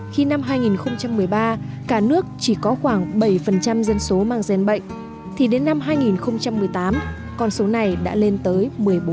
khi năm hai nghìn một mươi ba cả nước chỉ có khoảng bảy dân số mang gian bệnh thì đến năm hai nghìn một mươi tám con số này đã lên tới một mươi bốn